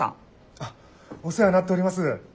あっお世話になっております。